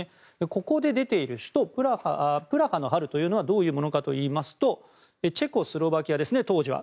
ここで出ているプラハの春とはどういうものかといいますとチェコスロバキアですね当時は。